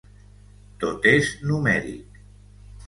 Tot és numèric.